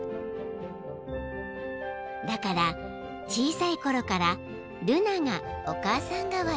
［だから小さいころからルナがお母さん代わり］